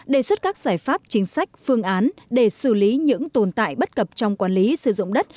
đề xuất các giải pháp chính sách phương án để xử lý những tồn tại bất cập trong quản lý sử dụng đất